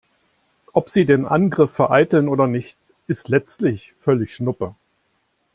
Ob sie den Angriff vereiteln oder nicht, ist letztlich völlig schnuppe.